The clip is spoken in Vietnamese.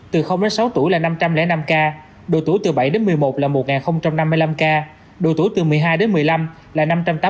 từ đến sáu tuổi là năm trăm linh năm ca độ tuổi từ bảy đến một mươi một là một năm mươi năm ca độ tuổi từ một mươi hai đến một mươi năm là năm trăm tám mươi tám